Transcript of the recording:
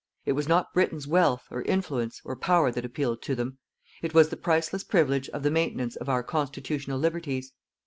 It was not Britain's wealth, or influence, or power that appealed to them; it was the priceless privilege of the maintenance of our constitutional liberties.